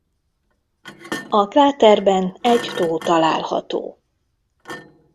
A kráterben egy tó található.